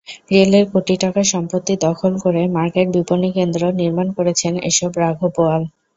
রেলের কোটি টাকার সম্পত্তি দখল করে মার্কেট-বিপণিকেন্দ্র নির্মাণ করেছেন এসব রাঘববোয়াল।